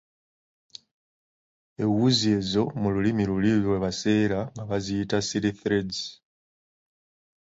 Ewuzi ezo mu lulimi luli lwe baseera nga baziyita; "Silly threads."